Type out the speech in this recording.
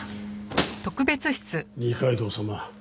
二階堂様。